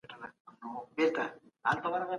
اسناد څنګه ساتل کېږي؟